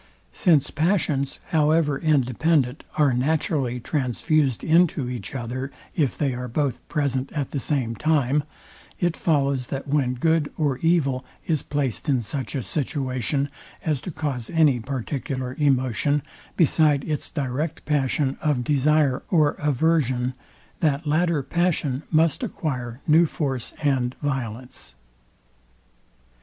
Since passions, however independent, are naturally transfused into each other, if they are both present at the same time; it follows, that when good or evil is placed in such a situation, as to cause any particular emotion, beside its direct passion of desire or aversion, that latter passion must acquire new force and violence.